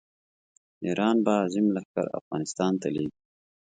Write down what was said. ایران به عظیم لښکر افغانستان ته لېږي.